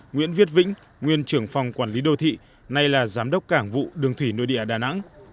nguyễn viết vĩnh nguyên trưởng phòng quản lý đô thị nay là giám đốc cảng vụ đường thủy nội địa đà nẵng